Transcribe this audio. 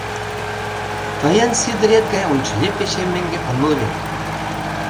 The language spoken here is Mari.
Тыйын Сидырет гай унчыли пече меҥге омыл вет...